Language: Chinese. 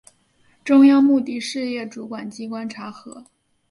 中央目的事业主管机关查核